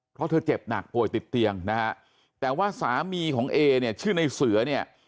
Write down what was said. เพราะเธอเจ็บหนักป่วยติดเตียงนะฮะแต่ว่าสามีของเอเนี่ยชื่อในเสือเนี่ย